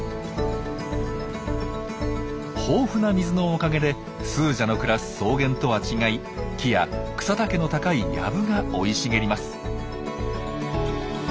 豊富な水のおかげでスージャの暮らす草原とは違い木や草丈の高い藪が生い茂ります。